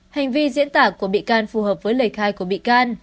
hành vi diễn tả của bị can phù hợp với lời khai của bị can